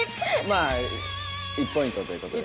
まあ１ポイントということで！